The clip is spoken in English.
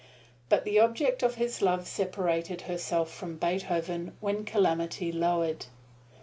But the object of his love separated herself from Beethoven when calamity lowered.